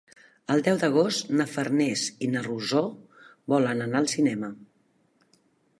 El deu d'agost na Farners i na Rosó volen anar al cinema.